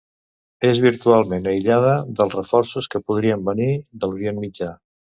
És virtualment aïllada dels reforços que podrien venir de l'Orient Mitjà.